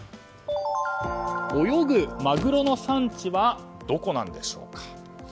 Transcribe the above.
泳ぐマグロの産地はどこなんでしょうか。